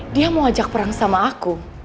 dia mau ajak perang sama aku